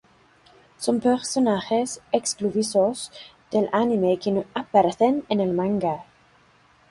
Son personajes exclusivos del Anime que no aparecen en el Manga.